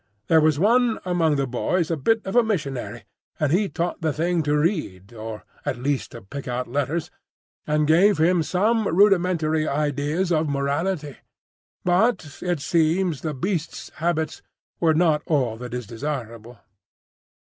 There was one among the boys a bit of a missionary, and he taught the thing to read, or at least to pick out letters, and gave him some rudimentary ideas of morality; but it seems the beast's habits were not all that is desirable.